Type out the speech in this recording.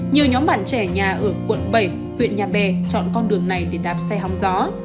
nhiều nhóm bạn trẻ nhà ở quận bảy huyện nhà bè chọn con đường này để đạp xe học gió